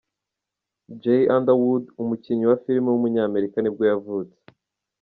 Jay Underwood, umukinnyi wa film w’umunyamerika nibwo yavutse.